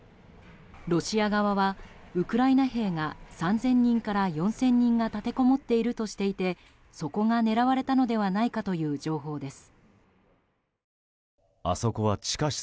ロシア側は、ウクライナ兵が３０００人から４０００人が立てこもっているとしていて狙われたのではないかという情報です。